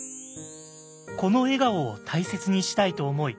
この笑顔を大切にしたいと思い